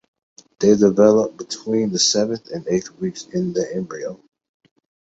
They develop between the seventh and eighth weeks in the embryo.